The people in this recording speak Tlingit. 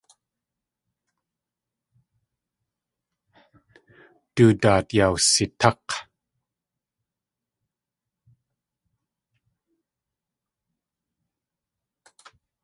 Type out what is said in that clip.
Du daat yawsiták̲.